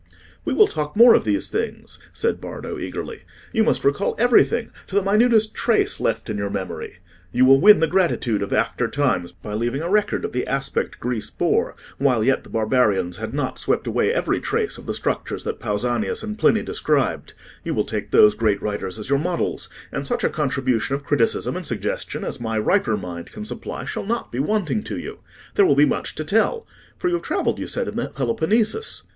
"We will talk more of these things," said Bardo, eagerly. "You must recall everything, to the minutest trace left in your memory. You will win the gratitude of after times by leaving a record of the aspect Greece bore while yet the barbarians had not swept away every trace of the structures that Pausanias and Pliny described: you will take those great writers as your models; and such contribution of criticism and suggestion as my riper mind can supply shall not be wanting to you. There will be much to tell; for you have travelled, you said, in the Peloponnesus?"